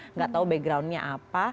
nggak tahu backgroundnya apa